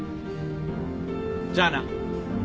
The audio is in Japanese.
じゃあな。